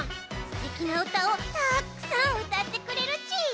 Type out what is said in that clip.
すてきなうたをたくさんうたってくれるち！